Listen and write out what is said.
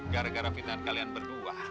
gara gara finan kalian berdua